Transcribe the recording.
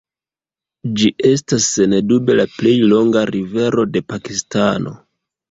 Ĝi estas sendube la plej longa rivero de Pakistano.